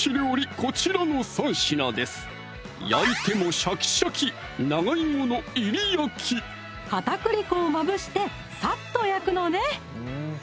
こちらの３品です焼いてもシャキシャキ片栗粉をまぶしてサッと焼くのね